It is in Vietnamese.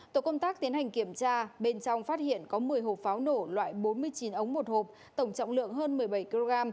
tổ công tác tiến hành kiểm tra bên trong phát hiện có một mươi hộp pháo nổ loại bốn mươi chín ống một hộp tổng trọng lượng hơn một mươi bảy kg